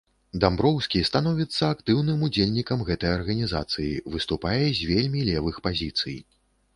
Дамброўскі становіцца актыўным удзельнікам гэтай арганізацыі, выступае з вельмі левых пазіцый.